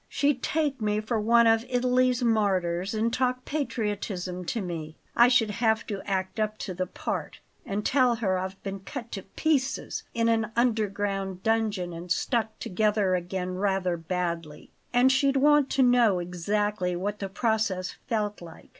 She'd take me for one of Italy's martyrs, and talk patriotism to me. I should have to act up to the part, and tell her I've been cut to pieces in an underground dungeon and stuck together again rather badly; and she'd want to know exactly what the process felt like.